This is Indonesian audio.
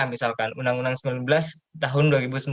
misalkan undang undang sembilan belas tahun dua ribu sembilan